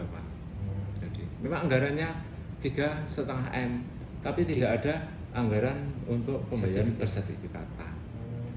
memang anggarannya tiga lima m tapi tidak ada anggaran untuk pembayaran bersertifikatan